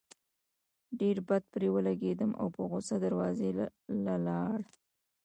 ډېر بد پرې ولګېدل او پۀ غصه دروازې له لاړه